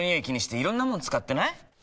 気にしていろんなもの使ってない？